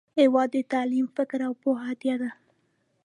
هیواد ته تعلیم، فکر، او پوهه هدیه ده